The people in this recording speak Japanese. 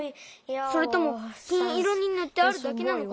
それとも金いろにぬってあるだけなのかな。